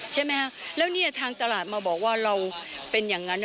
ใช่ไหมฮะแล้วเนี่ยทางตลาดมาบอกว่าเราเป็นอย่างนั้น